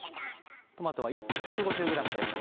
トマトは１個１５０ｇです。